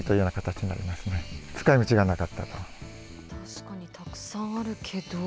確かにたくさんあるけど。